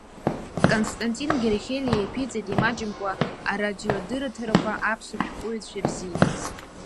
Константин Герхелиа иаԥиҵеит имаҷымкәа арадиодырраҭарақәа аԥсуа шәҟәыҩҩцәа ирзикыз.